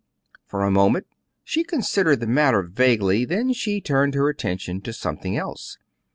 For a moment she considered the matter vaguely; then she turned her attention to something else.